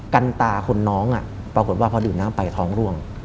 กันตาคนน้องปรากฏว่าพอดื่มน้ำไปท้องร่วง